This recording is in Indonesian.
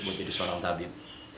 buat jadi seorang tabib